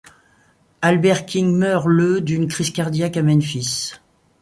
Albert King meurt le d'une crise cardiaque à Memphis.